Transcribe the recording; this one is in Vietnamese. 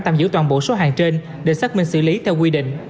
tạm giữ toàn bộ số hàng trên để xác minh xử lý theo quy định